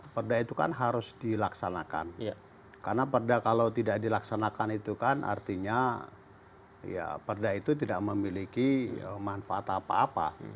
perda itu kan harus dilaksanakan karena perda kalau tidak dilaksanakan itu kan artinya perda itu tidak memiliki manfaat apa apa